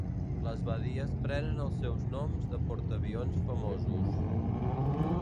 Les badies prenen els seus noms de portaavions famosos.